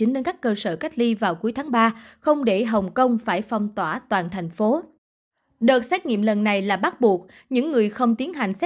lên các cơ sở cách liên hệ